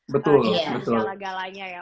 betul salah galanya ya